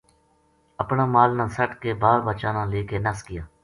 اپنا مال نا سَٹ کے بال بچا نا لے نَس گیا